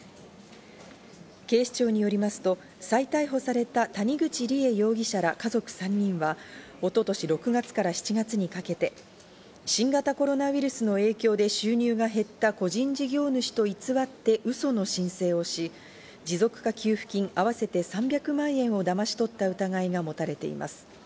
警視庁によりますと再逮捕された谷口梨恵容疑者ら家族３人は一昨年６月から７月にかけて新型コロナウイルスの影響で収入が減った個人事業主と偽ってウソの申請をし、持続化給付金合わせて３００万円をだまし取った疑いが持たれています。